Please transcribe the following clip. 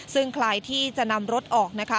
ซึ่งใครที่จะนำรถออกนะคะ